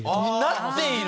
なっている⁉